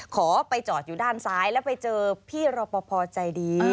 ขอไปจอดอยู่ด้านซ้ายแล้วไปเจอพี่รอปภใจดี